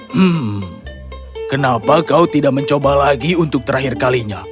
hmm kenapa kau tidak mencoba lagi untuk terakhir kalinya